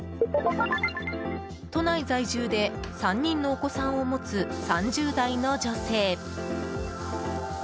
都内在住で３人のお子さんを持つ３０代の女性。